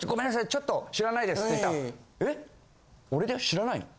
ちょっと知らないです」って言ったら「え？俺だよ知らないの？」。